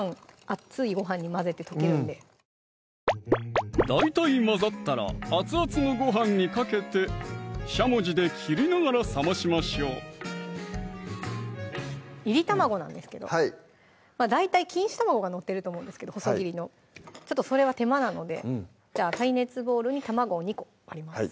熱いご飯に混ぜて溶けるんで大体混ざったら熱々のご飯にかけてしゃもじで切りながら冷ましましょういり卵なんですけど大体錦糸卵が載ってると思うんですけど細切りのちょっとそれは手間なので耐熱ボウルに卵を２個割ります